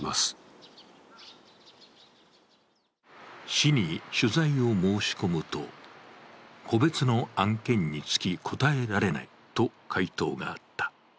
市に取材を申し込むと、個別の案件につき答えられないと回答があった。